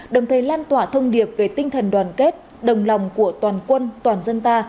đồng thời lan tỏa thông điệp về tinh thần đoàn kết đồng lòng của toàn quân toàn dân ta